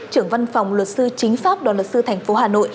trưởng văn phòng luật sư chính pháp đoàn luật sư thành phố hà nội